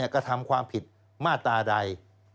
กระทำความผิดมาตราใด